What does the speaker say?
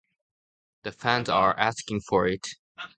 The fans are asking for it?